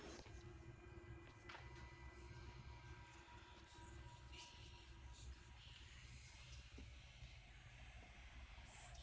sepertinya saya tahu sisi ada di mana